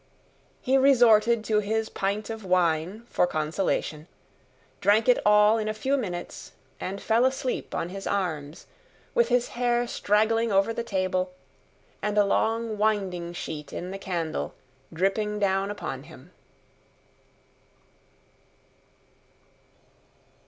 He resorted to his pint of wine for consolation, drank it all in a few minutes, and fell asleep on his arms, with his hair straggling over the table, and a long winding sheet in the candle dripping down upon him.